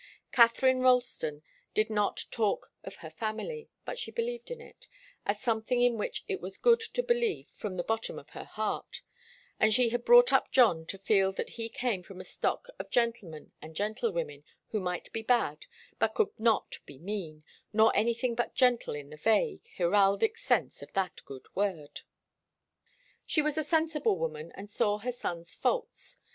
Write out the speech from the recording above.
Katharine Ralston did not talk of her family, but she believed in it, as something in which it was good to believe from the bottom of her heart, and she had brought up John to feel that he came from a stock of gentlemen and gentlewomen who might be bad, but could not be mean, nor anything but gentle in the vague, heraldic sense of that good word. She was a sensible woman and saw her son's faults.